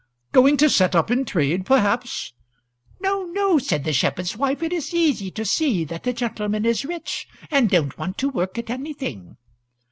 "Going to set up in trade, perhaps?" "No, no," said the shepherd's wife; "it is easy to see that the gentleman is rich and don't want to work at anything."